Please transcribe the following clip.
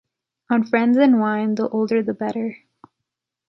On friends and wine, the older the better.